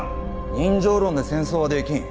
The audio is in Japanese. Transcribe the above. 人情論で戦争はできん。